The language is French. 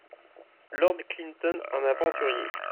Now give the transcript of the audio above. Lord Clinton Un aventurier.